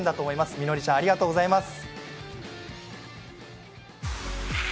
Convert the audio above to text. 実紀ちゃんありがとうございます。